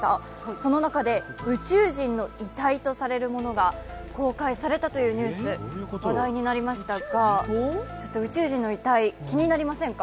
その中で宇宙人の遺体とされるものが公開されたというニュースが話題となりましたが、宇宙人の遺体、気になりませんか？